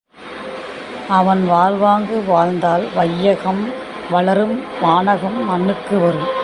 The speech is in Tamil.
அவன் வாழ்வாங்கு வாழ்ந்தால், வையகம் வளரும் வானகம் மண்ணுக்கு வரும்.